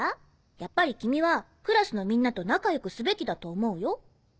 やっぱり君はクラスのみんなと仲良くすべきだと思うよ。